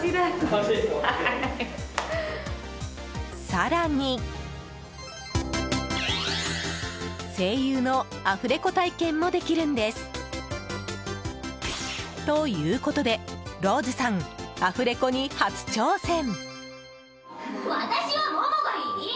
更に、声優のアフレコ体験もできるんです。ということでローズさん、アフレコに初挑戦！